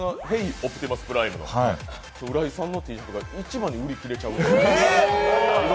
オプティマスプライム」の浦井さんのＴシャツが一番に売り切れちゃう。